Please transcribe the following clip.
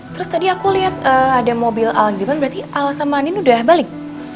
terus tadi aku liat ada mobil al di depan berarti al sama andin udah balik